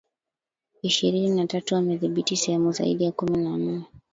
M ishirini na tatu wamedhibithi sehemu zaidi ya kumi na nne